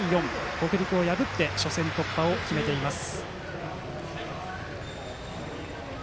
北陸を破って初戦突破を決めています。